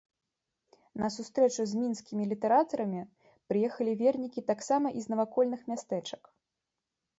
На сустрэчу з мінскімі літаратарамі прыехалі вернікі таксама і з навакольных мястэчак.